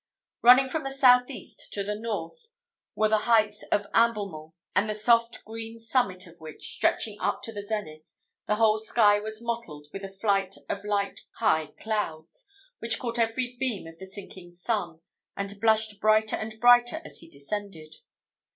Running from the south east to the north were the heights of Amblemont, from the soft green summit of which, stretching up to the zenith, the whole sky was mottled with a flight of light high clouds, which caught every beam of the sinking sun, and blushed brighter and brighter as he descended.